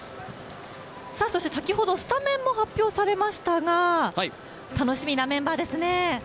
そして先ほどスタメンも発表されましたが楽しみなメンバーですね。